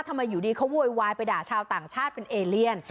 อยู่ดีเขาโวยวายไปด่าชาวต่างชาติเป็นเอเลียน